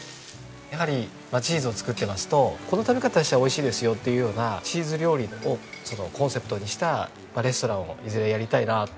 やはりチーズを作ってますとこの食べ方したらおいしいですよっていうようなチーズ料理をコンセプトにしたレストランをいずれやりたいなと。